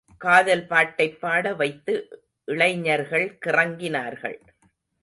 காதல் பாட்டைப் பாட வைத்து இளைஞர்கள் கிறங்கினார்கள்.